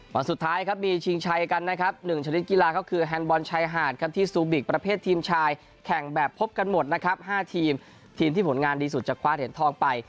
วันสุดท้ายครับมีชิงชัยกันนะครับ๑ชนิดกีฬาก็คือแฮนดบอลชายหาดครับที่ซูบิกประเภททีมชายแข่งแบบพบกันหมดนะครับ๕ทีมทีมที่ผลงานดีสุดจะคว้าเหรียญทองไป